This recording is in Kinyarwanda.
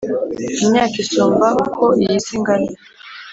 Imyaka isumba uko iyi si ingana